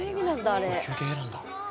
これ休憩なんだ。